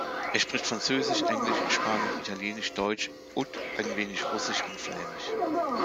Er spricht Französisch, Englisch, Spanisch, Italienisch, Deutsch und ein wenig Russisch und Flämisch.